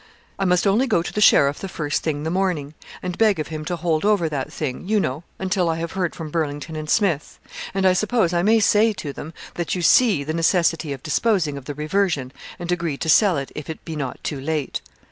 'I must only go to the Sheriff the first thing the morning and beg of him to hold over that thing, you know, until I have heard from Burlington and Smith; and I suppose I may say to them that you see the necessity of disposing of the reversion, and agree to sell it if it be not too late.'